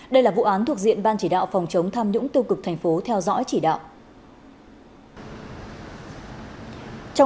đây là vụ án thuộc diện ban chỉ đạo phòng chống tham nhũng tiêu cực thành phố theo dõi chỉ đạo